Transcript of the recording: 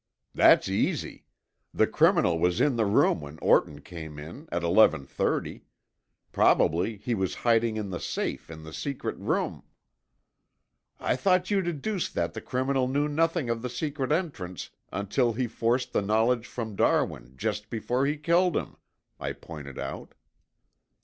"That's easy. The criminal was in the room when Orton came in at eleven thirty. Probably he was hiding in the safe in the secret room " "I thought you deduced that the criminal knew nothing of the secret entrance until he forced the knowledge from Darwin just before he killed him," I pointed out.